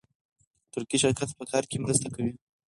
ترکي شرکت په کار کې مرسته کوي.